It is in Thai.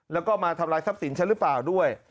แล้วก็มาทำลายทรัพย์สินฉันหรือเปล่าด้วย